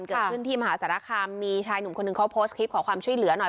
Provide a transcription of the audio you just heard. เกิดขึ้นที่มหาสารคามมีชายหนุ่มคนหนึ่งเขาโพสต์คลิปขอความช่วยเหลือหน่อย